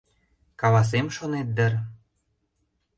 «Каласем шонет дыр?